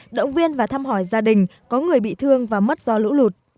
động viên và thăm hỏi gia đình có người bị thương và mất do lũ lụt